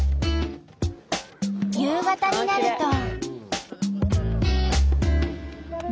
夕方になると。